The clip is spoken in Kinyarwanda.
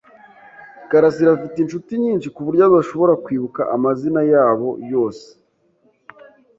karasira afite inshuti nyinshi kuburyo adashobora kwibuka amazina yabo yose.